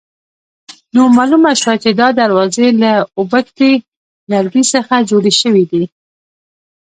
نو معلومه شوه چې دا دروازې له اوبښتي لرګي څخه جوړې شوې دي.